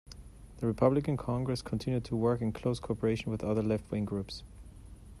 The Republican Congress continued to work in close co-operation with other left-wing groups.